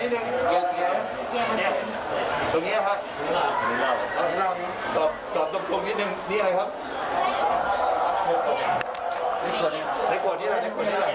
ในขวดนี้ในขวดนี้อะไรในขวดนี้อะไร